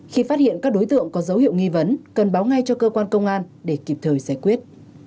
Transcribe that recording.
khi phát hiện các đối tượng có dấu hiệu nghi vấn cần báo ngay cho cơ quan công an để kịp thời giải quyết